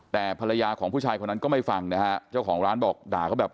แต่ภรรยาของผู้ชายคนนั้นก็ไม่ฟังนะฮะเจ้าของร้านบอกด่าเขาแบบ